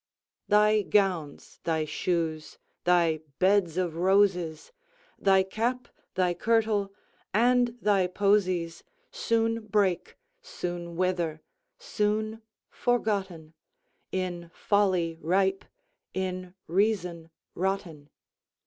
Thy gowns, thy shoes, thy beds of roses, Thy cap, thy kirtle, and thy posies, Soon break, soon wither—soon forgotten, In folly ripe, in reason rotten.